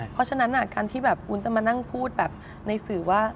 เพราะฉะนั้นการที่แบบวุ้นจะมานั่งพูดแบบในสื่อว่า